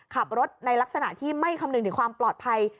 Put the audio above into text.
ขับรถในลักษณะที่ไม่คำนึงถึงความปลอดภัย